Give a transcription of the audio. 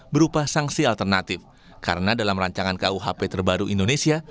berupa sanksi alternatif karena dalam rancangan kuhp terbaru indonesia